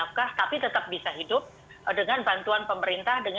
meskipun mungkin tidak bisa bekerja dengan penuh untuk menanggung mobilitasnya